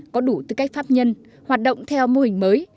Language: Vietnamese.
có đủ tư cách pháp nhân hoạt động theo mô hình mới